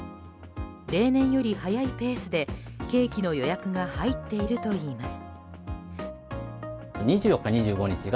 例年より早いペースでケーキの予約が入っているといいます。